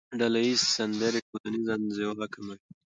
ډلهییزې سندرې ټولنیزه انزوا کموي.